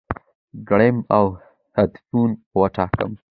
کړم او هدفونه وټاکم،